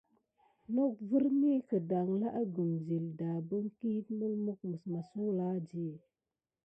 Nok vimi gudala ikume zele dabin mulmuke sula mis daya.